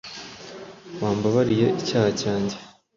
Wambabariye icyaha cyanjye;